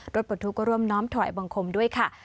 ปลดทุกข์ก็ร่วมน้อมถอยบังคมด้วยค่ะ